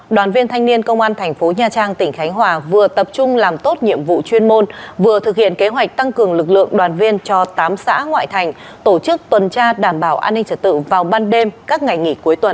đoàn viên thanh niên công an thành phố nha trang tỉnh khánh hòa vừa tập trung làm tốt nhiệm vụ chuyên môn vừa thực hiện kế hoạch tăng cường lực lượng đoàn viên cho tám xã ngoại thành tổ chức tuần tra đảm bảo an ninh trật tự vào ban đêm các ngày nghỉ cuối tuần